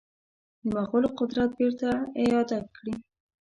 د مغولو قدرت بیرته اعاده کړي.